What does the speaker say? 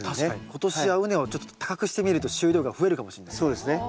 今年は畝をちょっと高くしてみると収量が増えるかもしれないですね。